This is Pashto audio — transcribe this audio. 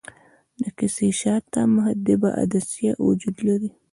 د کسي شاته محدبه عدسیه وجود لري.